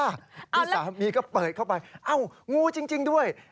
ที่สามีก็เปิดเข้าไปเอ้างูจริงด้วย